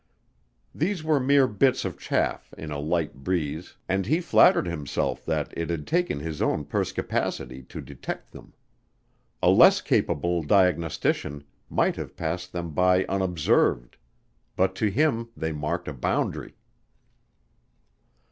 These were mere bits of chaff in a light breeze and he flattered himself that it had taken his own perspicacity to detect them. A less capable diagnostician might have passed them by unobserved. But to him they marked a boundary.